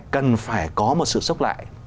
cần phải có một sự sốc lại